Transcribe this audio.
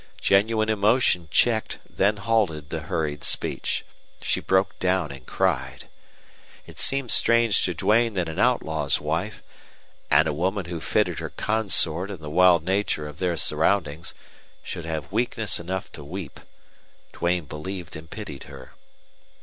Genuine emotion checked, then halted the hurried speech. She broke down and cried. It seemed strange to Duane that an outlaw's wife and a woman who fitted her consort and the wild nature of their surroundings should have weakness enough to weep. Duane believed and pitied her.